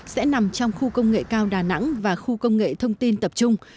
sẽ nằm trong khu công nghệ cao đà nẵng và khu công nghệ thông tin tập trung